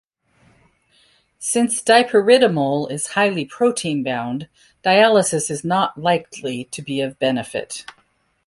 Since dipyridamole is highly protein bound, dialysis is not likely to be of benefit.